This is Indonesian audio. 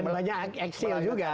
dan banyak eksil juga